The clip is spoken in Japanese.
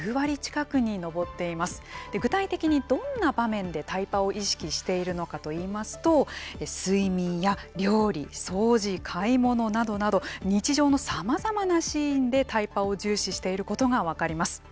具体的にどんな場面でタイパを意識しているのかといいますと睡眠や料理掃除買い物などなど日常のさまざまなシーンでタイパを重視していることが分かります。